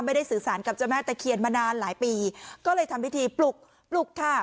สื่อสารกับเจ้าแม่ตะเคียนมานานหลายปีก็เลยทำพิธีปลุกปลุกค่ะ